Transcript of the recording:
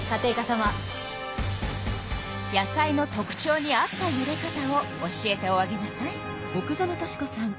野菜の特ちょうに合ったゆで方を教えておあげなさい。